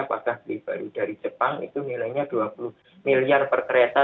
apakah beli baru dari jepang itu nilainya dua puluh miliar per kereta